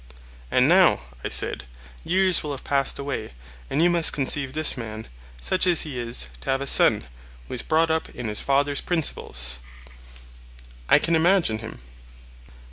And now, I said, years will have passed away, and you must conceive this man, such as he is, to have a son, who is brought up in his father's principles. I can imagine him.